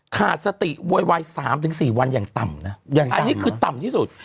ขาดสติโวยวาย๓๔วันอย่างต่ำนะอันนี้คือต่ำที่สุด